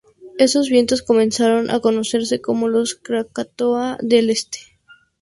Esos vientos comenzaron a conocerse como los "Krakatoa del este".